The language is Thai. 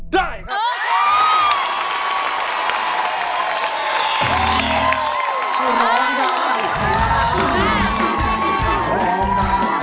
ได้ครับ